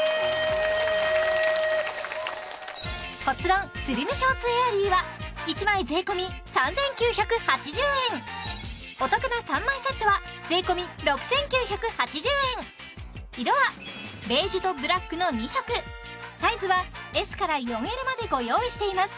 骨盤スリムショーツエアリーは１枚税込３９８０円お得な３枚セットは税込６９８０円色はベージュとブラックの２色サイズはＳから４Ｌまでご用意しています